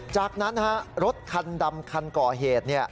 จากนั้นรถคันดำคันก่อเหตุ